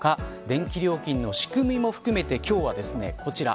電気料金の仕組みも含めて今日は、こちら。